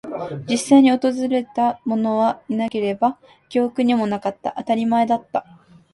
実際に訪れたものはいなければ、記憶にもなかった。当たり前だった。